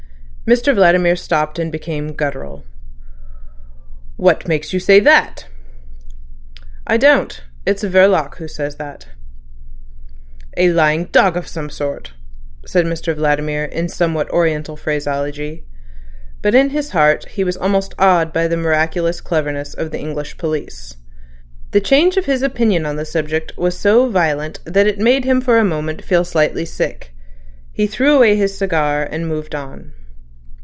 Mr Vladimir stopped, and became guttural. "What makes you say that?" "I don't. It's Verloc who says that." "A lying dog of some sort," said Mr Vladimir in somewhat Oriental phraseology. But in his heart he was almost awed by the miraculous cleverness of the English police. The change of his opinion on the subject was so violent that it made him for a moment feel slightly sick. He threw away his cigar, and moved on.